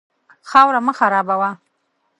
خاوره مه خرابوه.